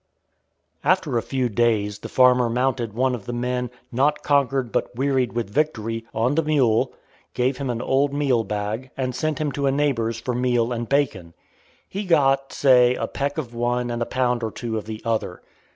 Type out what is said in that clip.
After a few days the farmer mounted one of the men, "not conquered, but wearied with victory," on the mule, gave him an old meal bag, and sent him to a neighbor's for meal and bacon. He got, say, a peck of one and a pound or two of the other.